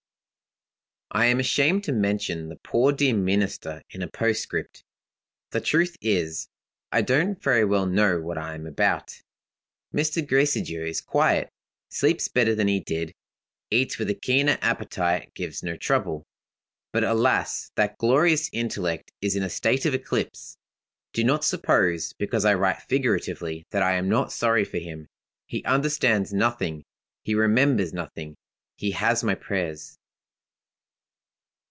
"I am ashamed to mention the poor dear Minister in a postscript. The truth is, I don't very well know what I am about. Mr. Gracedieu is quiet, sleeps better than he did, eats with a keener appetite, gives no trouble. But, alas, that glorious intellect is in a state of eclipse! Do not suppose, because I write figuratively, that I am not sorry for him. He understands nothing; he remembers nothing; he has my prayers.